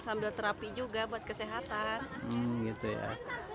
sambil terapi juga buat kesehatan